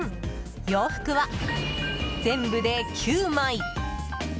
洋服は全部で９枚。